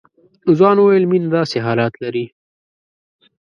ځوان وويل مينه داسې حالات لري.